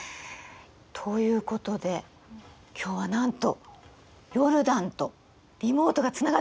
ということで今日はなんとヨルダンとリモートがつながってます。